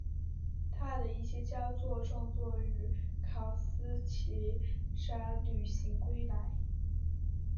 他的一些佳作创作于卡兹奇山旅行归来。